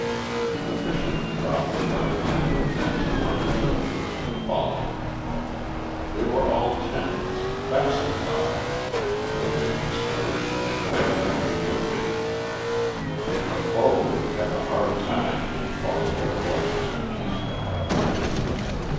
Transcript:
The fishermen dropped the brown tangled nets upon their shoulders and followed. They were all tenants, vassals almost, of the Ravenspurs and ready to do their bidding. The foe would have had a hard time did he fall into the clutches of these veterans.